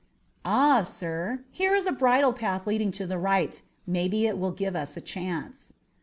Ah, sir, here is a bridle path leading to the right. Maybe it will give us a chance."